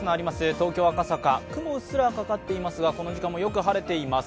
東京・赤坂、雲がうっすらとかかっていますがこの時間もよく晴れています。